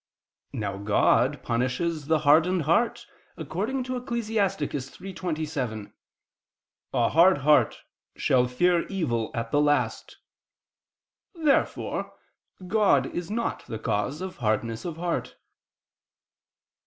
Now God punishes the hardened heart, according to Ecclus. 3:27: "A hard heart shall fear evil at the last." Therefore God is not the cause of hardness of heart.